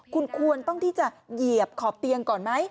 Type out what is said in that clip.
คุณควรต้องที่จะเหยียบขอบเตียงก่อนไหม